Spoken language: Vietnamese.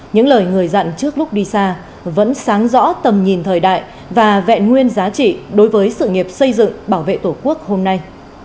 những lời người dặn trước lúc đi xa vẫn sáng rõ tầm nhìn thời đại và vẹn nguyên giá trị đối với sự nghiệp xây dựng bảo vệ tổ quốc hôm nay